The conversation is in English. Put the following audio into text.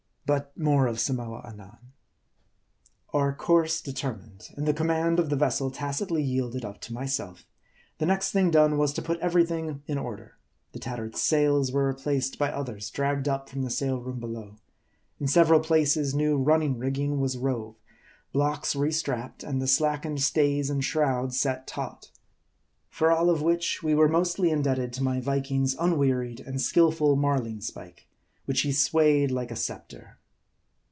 But more of Samoa anon. Our course determined, and the command of the vessel tacitly yielded up to myself, the next thing done was to put every thing in order. The tattered sails were replaced by others, dragged up from the sail room below ; in several places, new running rigging was rove ; blocks restrapped ; and the slackened stays and shrouds set taught. For all of which, we were mostly indebted to my Viking's unwearied and skillful marling spike, which he swayed like a scepter.